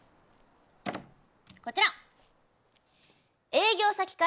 こちら。